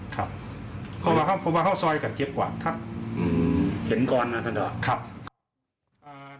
เพราะว่าเขาซอยก่อนเย็นกว่าครับ